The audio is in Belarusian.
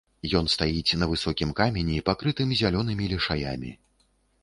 Ён стаіць на высокім камені, пакрытым зялёнымі лішаямі.